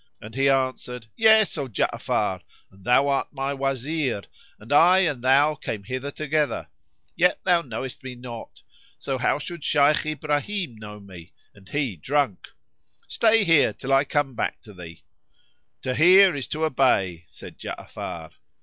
and he answered, "Yes, O Ja'afar, and thou art my Wazir and I and thou came hither together; yet thou knowest me not; so how should Shaykh Ibrahim know me, and he drunk? Stay here, till I came back to thee." "To hear is to obey," said Ja'afar.